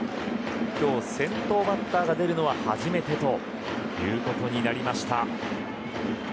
今日、先頭バッターが出るのは初めてということになりました。